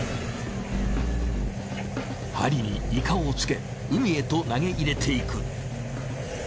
針にイカをつけ海へと投げ入れていく。